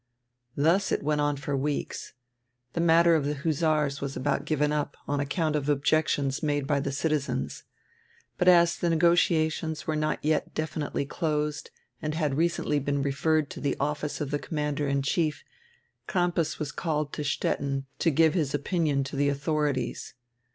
Thus it went on for weeks. The matter of die hussars was about given up, on account of objections made by die citizens. But as the negotiations were not yet definitely closed and had recendy been referred to die office of die commander in chief, Crampas was called to Stettin to give his opinion to the autiiorities.